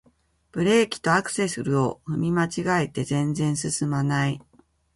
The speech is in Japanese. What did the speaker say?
ブレーキとアクセルを踏み間違えて全然すすまない